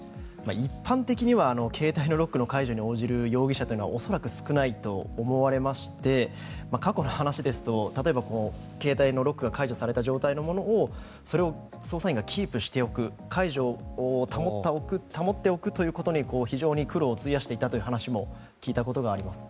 一般的には携帯のロックの解除に応じる容疑者というのは少ないと思われまして過去の話ですと携帯のロックが解除されたものをそれを捜査員がキープしておく解除を保っておくということに非常に苦労を費やしていたという話も聞いたことがあります。